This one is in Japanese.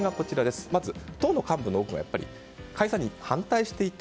まず、党の幹部の多くが解散に反対していた。